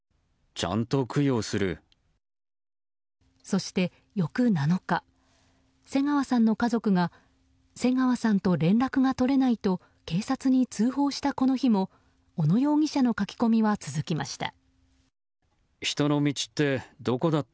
そして、翌７日瀬川さんの家族が瀬川さんと連絡が取れないと警察に通報したこの日も小野容疑者の書き込みは続きました。